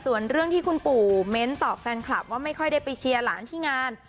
ส่วนเรื่องที่คุณปู่เม้นตอบแฟนคลับว่าไม่ค่อยได้ไปเชียร์หลานที่งาน